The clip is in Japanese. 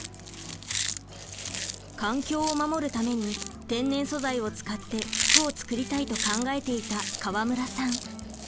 環境を守るために天然素材を使って服を作りたいと考えていた河村さん。